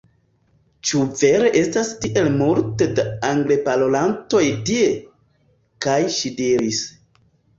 Ĉu vere estas tiel multe da Angleparolantoj tie? kaj ŝi diris: